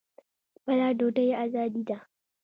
خپله ډوډۍ ازادي ده.